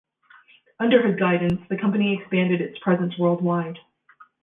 Under his guidance, the company expanded its presence worldwide.